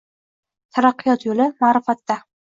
Taraqqiyot yo‘li – ma’rifatda